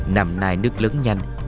nằm nài nước lớn nhanh